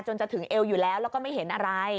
จะถึงเอวอยู่แล้วแล้วก็ไม่เห็นอะไร